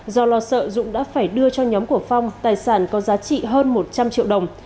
do lo sợ dũng đã phải đưa cho nhóm của phong tài sản có giá trị hơn một trăm linh triệu đồng